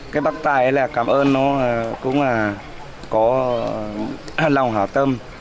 các bác tài cảm ơn cũng có lòng hảo tâm